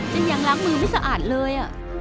ยังล้างมือไม่สะอาดเลย